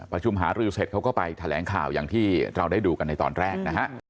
ประชุมหารือเสร็จเขาก็ไปแถลงข่าวอย่างที่เราได้ดูกันในตอนแรกนะฮะ